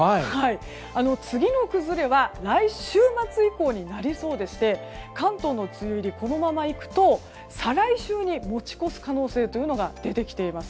次の崩れは週末以降になりそうでして関東の梅雨入りこのままいくと再来週に持ち越す可能性というのが出てきています。